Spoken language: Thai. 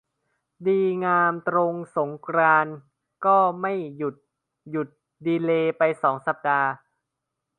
ดีงามตรงสงกรานต์ก็ไม่หยุด หยุดดีเลย์ไปสองสัปดาห์